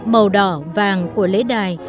màu đỏ vàng của lễ đài